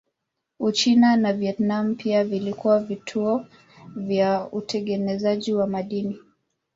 Uchina na Vietnam pia vilikuwa vituo vya utengenezaji wa madini.